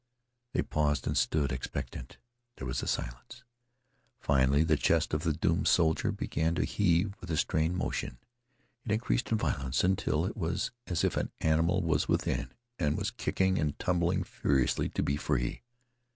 They paused and stood, expectant. There was a silence. Finally, the chest of the doomed soldier began to heave with a strained motion. It increased in violence until it was as if an animal was within and was kicking and tumbling furiously to be free.